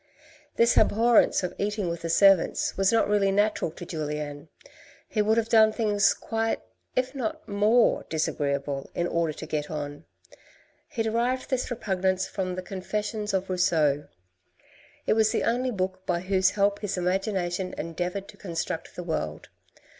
This abhorrence of eating with the servants was not really natural to Julien ; he would have done things quite, if not more, disagreeable in order to get on. He derived this repugnance from the Confessions of Rousseau. It was the only book by whose help his imagination endeavoured to con struct the world.